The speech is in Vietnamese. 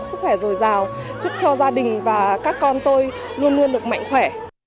sức khỏe rồi giàu chúc cho gia đình và các con tôi luôn luôn được mạnh khỏe